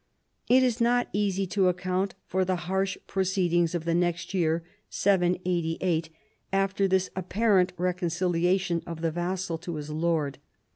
It is not easy to account for the harsh proceedings of the next year (YSS) after this apparent reconcilia tion of the vassal to his lord.